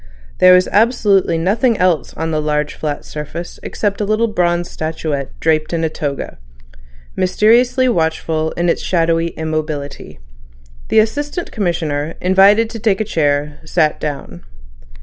There was absolutely nothing else on the large flat surface except a little bronze statuette draped in a toga, mysteriously watchful in its shadowy immobility. The Assistant Commissioner, invited to take a chair, sat down.